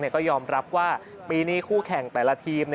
ก็ยอมรับว่าปีนี้คู่แข่งแต่ละทีม